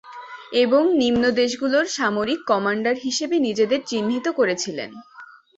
এবং নিম্ন দেশগুলোর সামরিক কমান্ডার হিসাবে নিজেদের চিহ্নিত করেছিলেন।